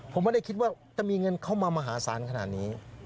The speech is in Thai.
ผมไม่ได้คิดว่าจะมีเงินเข้ามามหาศาลขนาดนี้